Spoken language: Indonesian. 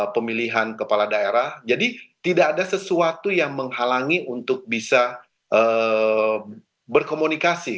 pemilihan kepala daerah jadi tidak ada sesuatu yang menghalangi untuk bisa berkomunikasi